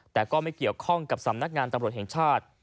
แต่ก็ไม่เกี่ยวข้องกับสำนักงานตำรวจแห่งชาติ